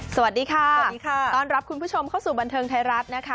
สวัสดีค่ะสวัสดีค่ะต้อนรับคุณผู้ชมเข้าสู่บันเทิงไทยรัฐนะคะ